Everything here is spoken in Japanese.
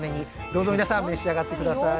どうぞ皆さん召し上がって下さい。